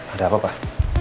ada apa pak